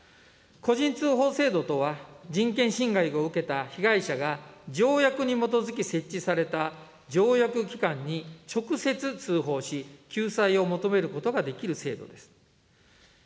個人通報制度とは、人権侵害を受けた被害者が、条約に基づき設置された条約機関に直接通報し、救済を求めることができる制度です。